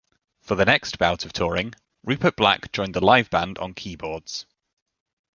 For the next bout of touring, Rupert Black joined the live band on keyboards.